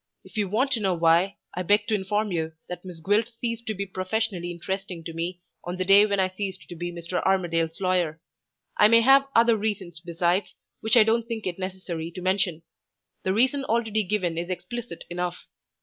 If you want to know why, I beg to inform you that Miss Gwilt ceased to be professionally interesting to me on the day when I ceased to be Mr. Armadale's lawyer. I may have other reasons besides, which I don't think it necessary to mention. The reason already given is explicit enough.